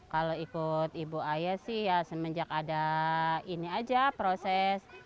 kalau ikut ibu ayah sih ya semenjak ada ini aja proses